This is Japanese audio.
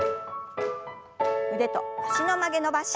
腕と脚の曲げ伸ばし。